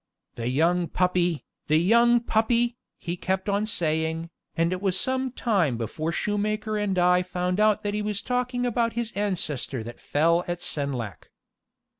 "The young puppy! The young puppy!" he kept on saying, and it was some time before shoemaker and I found out that he was talking about his ancestor that fell at Senlac.